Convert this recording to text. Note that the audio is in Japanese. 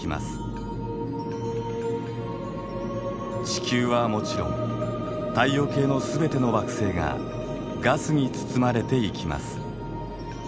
地球はもちろん太陽系の全ての惑星がガスに包まれていきます。